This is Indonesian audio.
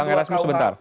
bang erasmus sebentar